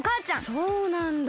そうなんだ。